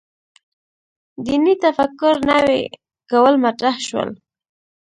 دیني تفکر نوي کول مطرح شو.